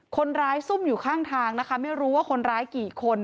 ซุ่มอยู่ข้างทางนะคะไม่รู้ว่าคนร้ายกี่คน